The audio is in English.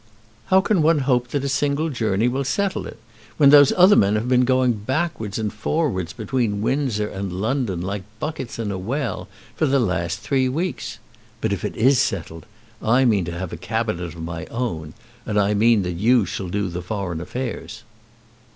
"How can one hope that a single journey will settle it, when those other men have been going backwards and forwards between Windsor and London, like buckets in a well, for the last three weeks? But if it is settled, I mean to have a cabinet of my own, and I mean that you shall do the foreign affairs."